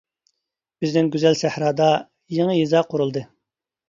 بىزنىڭ گۈزەل سەھرادا، يېڭى يېزا قۇرۇلدى.